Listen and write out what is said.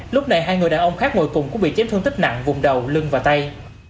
lúc này hai người đàn ông khác ngồi cùng cũng bị chém thương tích nặng vùng đầu lưng và tay